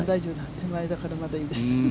手前だから、まだいいです。